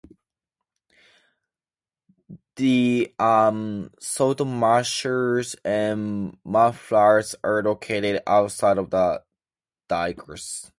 The saltmarshes and mudflats are located outside of the dikes.